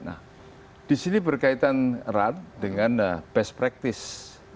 nah di sini berkaitan erat dengan best practice